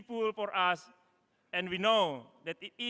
pembangunan ini adalah